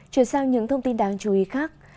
chuyển sang những thông tin đáng chú ý khác